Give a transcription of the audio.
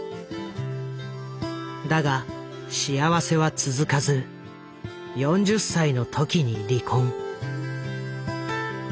だが幸せは続かず４０歳の時に離婚。